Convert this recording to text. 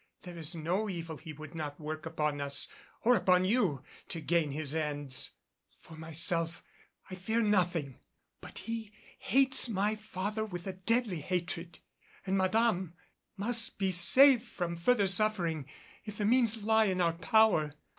There is no evil he would not work upon us or upon you to gain his ends. For myself I fear nothing, but he hates my father with a deadly hatred and Madame must be saved from further suffering if the means lie in our power.